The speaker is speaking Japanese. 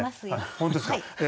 本当ですか。